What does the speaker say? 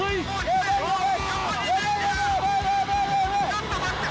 ちょっと待って。